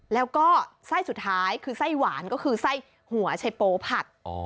แล้วก็ไส้สุดท้ายคือไส้หวานก็คือไส้หัวชัยโปผัด